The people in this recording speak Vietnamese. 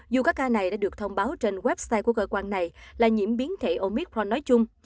dù các ca này đã được thông báo trên website của cơ quan này là nhiễm biến thể omicron nói chung